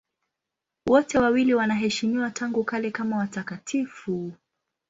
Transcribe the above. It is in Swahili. Wote wawili wanaheshimiwa tangu kale kama watakatifu.